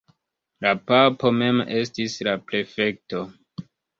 La papo mem estis la prefekto.